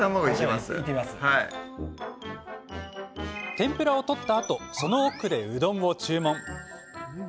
天ぷらを取ったあとその奥で、うどんを注文。